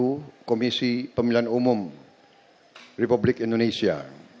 dan yang kedua kita harus menjaga kemampuan dan kemampuan umum republik indonesia